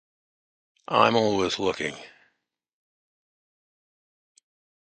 I'm always looking.